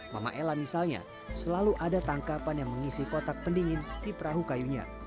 mama ella misalnya selalu ada tangkapan yang mengisi kotak pendingin di perahu kayunya